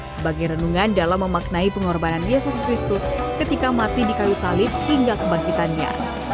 sebagai renungan dalam memaknai pengorbanan yesus kristus ketika mati di kayu salib hingga kebangkitannya